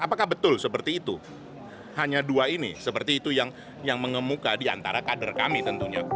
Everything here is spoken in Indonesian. apakah betul seperti itu hanya dua ini seperti itu yang mengemuka di antara kader kami tentunya